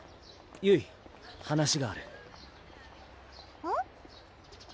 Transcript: ゆい話があるうん？